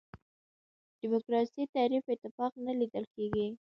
دیموکراسي تعریف اتفاق نه لیدل کېږي.